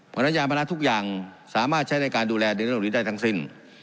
วรรณญาบรรณะทุกอย่างสามารถใช้ในการดูแลในเรื่องนี้ได้ทั้งสิ้น